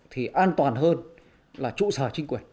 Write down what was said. thì an toàn hơn là trụ sở chính quyền